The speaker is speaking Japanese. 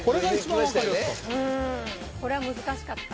これは難しかった。